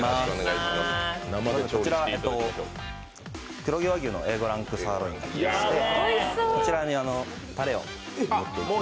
こちら、黒毛和牛のＡ５ランクのサーロインでして、こちらにタレを塗っていきます。